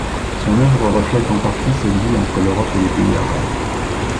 Son œuvre reflète en partie cette vie entre l'Europe et les pays arabes.